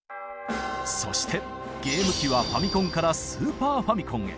そしてゲーム機はファミコンからスーパーファミコンへ。